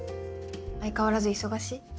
相変わらず忙しい？